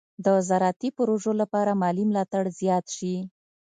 د زراعتي پروژو لپاره مالي ملاتړ زیات شي.